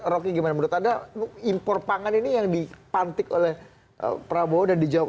rocky gimana menurut anda impor pangan ini yang dipantik oleh prabowo dan dijawab